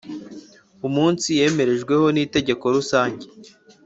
umunsi yemerejweho n Inteko Rusange